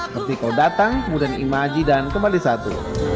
vertical datang kemudian ima aji dan kembali satu